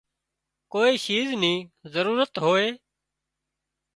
ڪوئي شيِز نِي ضرورت هوئي